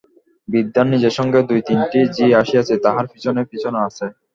বৃদ্ধার নিজের সঙ্গে দুই তিনটি ঝি আসিয়াছে, তাহারা পিছনে পিছনে আছে।